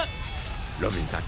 ロビンさん